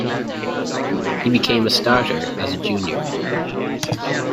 He became a starter as a junior.